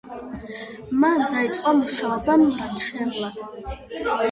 მან დაიწყო მუშაობა მრჩევლად.